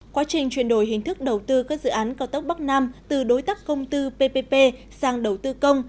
quá trình chuyển đổi hình thức đầu tư các dự án cao tốc bắc nam từ đối tác công tư ppp sang đầu tư công